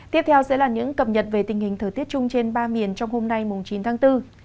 tiếp theo sẽ là những cập nhật về tình hình thời tiết chung trên ba miền trong hôm nay chín tháng bốn